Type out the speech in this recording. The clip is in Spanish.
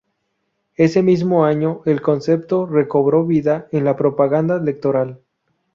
Ese mismo año el concepto recobró vida en la propaganda electoral.